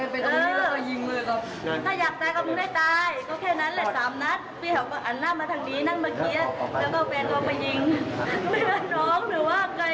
แล้วสามนัดพี่เหวางานั่งมาทางนี้นั่งมาเกี้ย